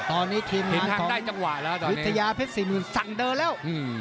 ตอนนี้ทีมงานของวิทยาเพชร๔๐สั่งเดอร์แล้ว